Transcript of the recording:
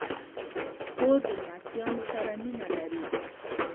خور د لمسيانو سره مینه لري.